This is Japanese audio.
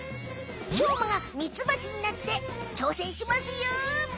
しょうまがミツバチになってちょうせんしますよ！